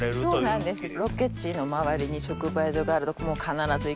そうなんですか。